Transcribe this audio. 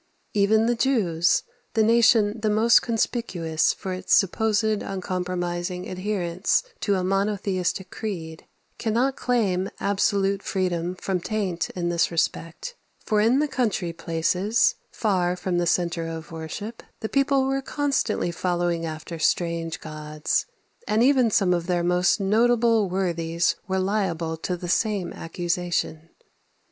Even the Jews, the nation the most conspicuous for its supposed uncompromising adherence to a monotheistic creed, cannot claim absolute freedom from taint in this respect; for in the country places, far from the centre of worship, the people were constantly following after strange gods; and even some of their most notable worthies were liable to the same accusation.